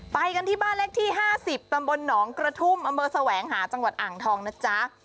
ไปกันที่บ้านเลขที่๕๐ตำบลหนองกระทุ่มอำเภอแสวงหาจังหวัดอ่างทองนะจ๊ะ